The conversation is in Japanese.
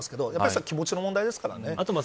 それは気持ちの問題ですからね。